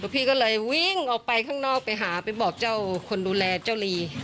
พี่ก็เลยวิ่งออกไปข้างนอกไปหาไปบอกเจ้าคนดูแลเจ้าลี